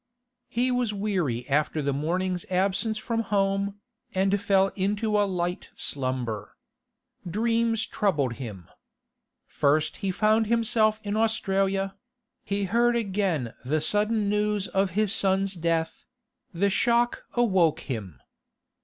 He was weary after the morning's absence from home, and fell into a light slumber. Dreams troubled him. First he found himself in Australia; he heard again the sudden news of his son's death; the shock awoke him.